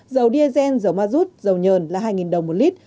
dầu diesel dầu ma rút dầu nhờn là hai đồng một lít